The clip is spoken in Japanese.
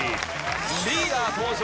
リーダー登場。